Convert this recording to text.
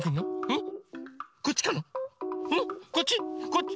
こっち？